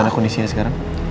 gimana kondisinya sekarang